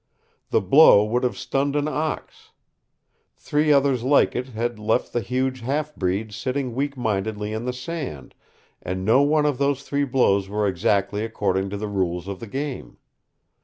The blow would have stunned an ox. Three others like it had left the huge half breed sitting weak mindedly in the sand, and no one of those three blows were exactly according to the rules of the game.